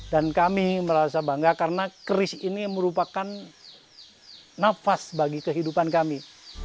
dan kami merasa bangga karena keris ini merupakan nafas bagi kehidupan kami